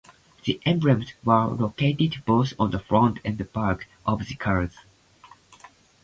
The emblems were located both on the front and the back of the cars.